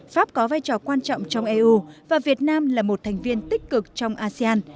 pháp có vai trò quan trọng trong eu và việt nam là một thành viên tích cực trong asean